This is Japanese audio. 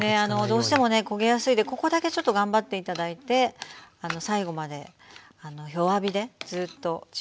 どうしてもね焦げやすいんでここだけちょっと頑張って頂いて最後まで弱火でずっとじっくりやって頂き。